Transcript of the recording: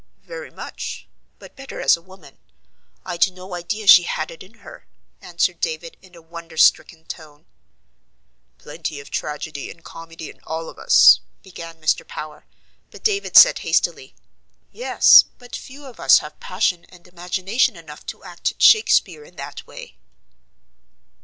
"Very much; but better as a woman. I'd no idea she had it in her," answered David, in a wonder stricken tone. "Plenty of tragedy and comedy in all of us," began Mr. Power; but David said hastily: "Yes, but few of us have passion and imagination enough to act Shakspeare in that way."